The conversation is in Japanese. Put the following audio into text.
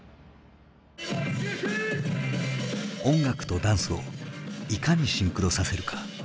音楽とダンスをいかにシンクロさせるか。